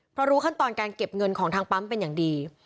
เพราะรู้ขั้นตอนการเก็บเงินของทางปั๊มเป็นอย่างดี